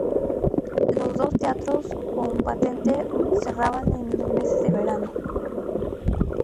Los dos teatros con patente cerraban en los meses de verano.